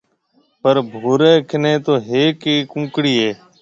پر ڀوري ڪنَي تو هيَڪ ئي ڪونڪڙِي هيَ۔